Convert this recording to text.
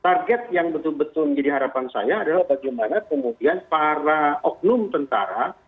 target yang betul betul menjadi harapan saya adalah bagaimana kemudian para oknum tentara